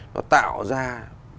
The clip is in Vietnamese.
nó tạo ra một cái vở của đại sứ quán mỹ